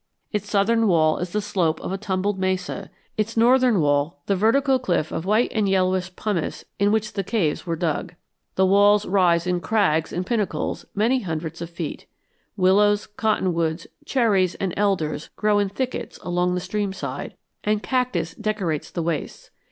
Its southern wall is the slope of a tumbled mesa, its northern wall the vertical cliff of white and yellowish pumice in which the caves were dug. The walls rise in crags and pinnacles many hundreds of feet. Willows, cottonwoods, cherries, and elders grow in thickets along the stream side, and cactus decorates the wastes.